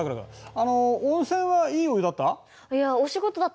あの温泉はいいお湯だった？